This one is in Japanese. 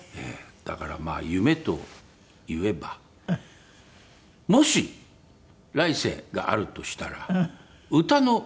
だからまあ夢といえばもし来世があるとしたら歌のうまい人に生まれたい。